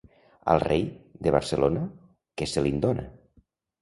Al rei, de Barcelona, què se li'n dóna?